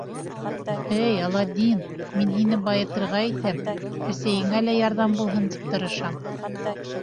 — Эй Аладдин, мин һине байытырға итәм, әсәйеңә лә ярҙам булһын тип тырышам.